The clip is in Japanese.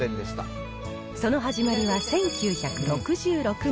その始まりは１９６６年。